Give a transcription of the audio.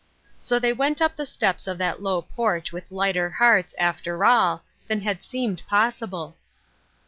So they went up the steps of that low porch with lighter hearts, after all, than had seemed possible.